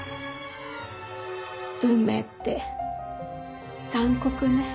運命って残酷ね。